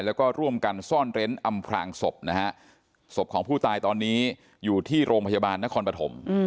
แล้วก็ร่วมกันซ่อนเร้นอำพลางศพนะฮะศพของผู้ตายตอนนี้อยู่ที่โรงพยาบาลนครปฐม